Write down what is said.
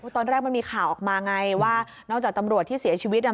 ตอนแรกมันมีข่าวออกมาไงว่านอกจากตำรวจที่เสียชีวิต